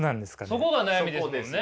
そこが悩みですもんね。